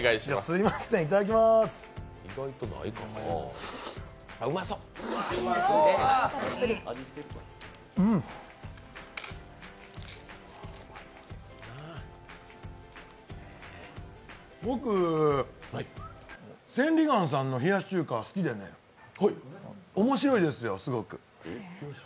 すいません、いただきまーす僕、千里眼さんの冷やし中華は好きでね、面白いですよ、すごく。